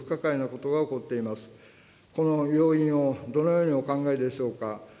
この要因をどのようにお考えでしょうか。